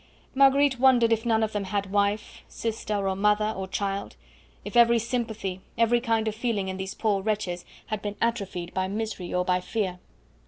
Marguerite wondered if none of them had wife, sister, or mother, or child; if every sympathy, every kind of feeling in these poor wretches had been atrophied by misery or by fear.